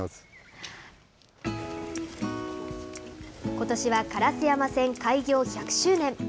ことしは烏山線開業１００周年。